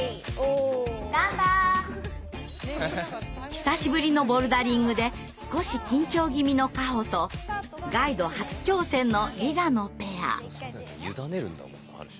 久しぶりのボルダリングで少し緊張気味のカホとガイド初挑戦のリラのペア。